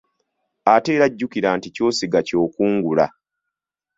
Ate era jjukira nti ky'osiga ky'okungula.